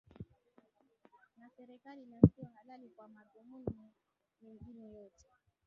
na serikali na sio halali kwa madhumuni mengine yoyote